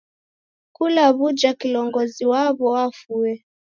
Kila w'uja kilongozi waw'o wafue.